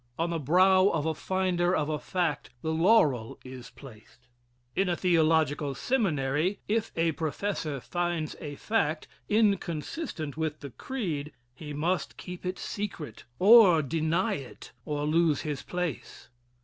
On the brow of a finder of a fact the laurel is placed. In a theological seminary, if a professor finds a fact inconsistent with the creed, he must keep it secret or deny it, or lose his place.